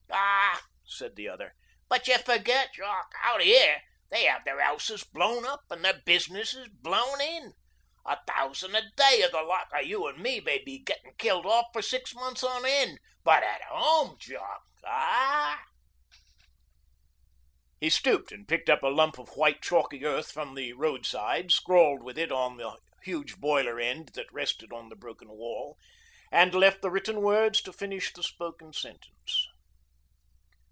'Aw,' said the other, 'But y' forget, Jock. Out 'ere they 'ave their 'ouses blown up an' their business blown in. A thousan' a day o' the like o' you an' me may be gettin' killed off for six months on end. But at 'ome, Jock aw!' He stooped and picked up a lump of white, chalky earth from the roadside, scrawled with it on the huge boiler end that rested on the broken wall, and left the written words to finish the spoken sentence.